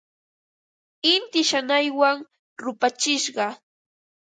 Inti shanaywan rupachishqa.